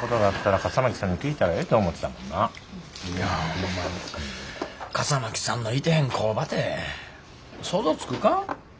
笠巻さんのいてへん工場て想像つくか？